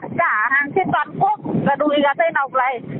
tất cả hàng trên toàn quốc là đùi gà tây nọc này